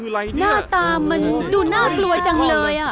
หน้าตามันดูน่ากลัวจังเลย